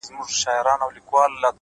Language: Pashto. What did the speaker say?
څه لېونۍ شاني گناه مي په سجده کي وکړه”